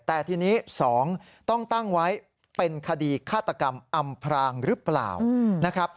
แต่ทีนี้๒ต้องตั้งไว้เป็นคดีฆาตกรรมอำพรางหรือเปล่านะครับ